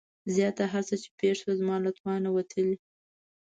زياته هر څه چې پېښه شوه زما له توانه وتلې.